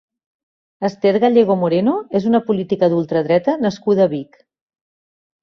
Ester Gallego Moreno és una política d'ultradreta nascuda a Vic.